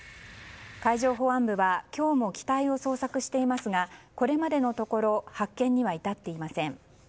海上保安部は今日も機体を捜索していますがこれまでのところ発見には至っていません。